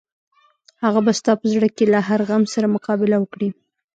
هغه به ستا په زړه کې له هر غم سره مقابله وکړي.